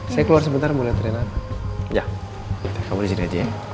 saya keluar sebentar mau liat reina